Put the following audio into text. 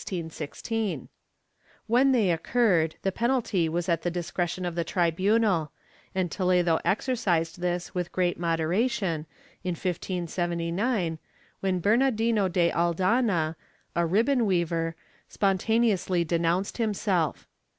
^ When they occurred, the penalty was at the discre tion of the tribunal, and Toledo exercised this with great modera tion, in 1579, when Bernardino de Aldana, a ribbon weaver, spontaneously denounced himself.